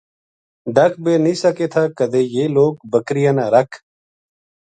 ڈَک بے نیہہ سکے تھا کَدے یہ لوک بکریاں نا رکھ